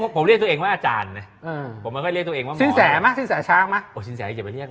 เล็กเล็กเล็กเล็กเล็กเล็กเล็กเล็กเล็กเล็กเล็กเล็ก